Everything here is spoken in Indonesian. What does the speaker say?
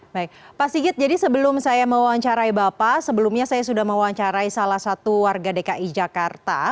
baik pak sigit jadi sebelum saya mewawancarai bapak sebelumnya saya sudah mewawancarai salah satu warga dki jakarta